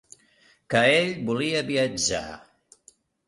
Que ell volia viatjar.